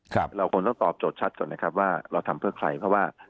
เราคงต้องตอบโจทย์ชัดก่อนนะครับว่าเราทำเพื่อใครเพราะว่า